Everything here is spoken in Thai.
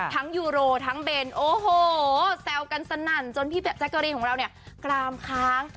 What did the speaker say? ยูโรทั้งเบนโอ้โหแซวกันสนั่นจนพี่แจ๊กเกอรีนของเราเนี่ยกรามค้าง